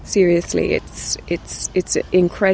serius ini sangat luar biasa